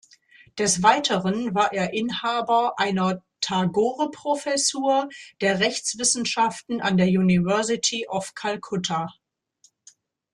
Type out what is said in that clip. Des Weiteren war er Inhaber einer Tagore-Professur der Rechtswissenschaften an der "University of Calcutta".